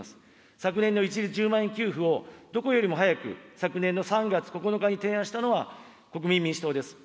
昨年に一律１０万円給付をどこよりも早く、昨年の３月９日に提案したのは、国民民主党です。